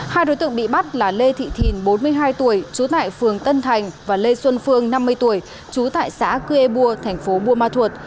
hai đối tượng bị bắt là lê thị thìn bốn mươi hai tuổi chú tại phường tân thành và lê xuân phương năm mươi tuổi chú tại xã cư ê bua tp bu ma thuột